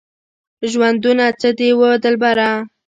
ژوندونه څه دی وه دلبره؟